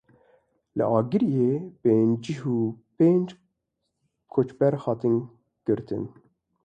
Li Agiriyê pêncî pênc koçber hatin girtin.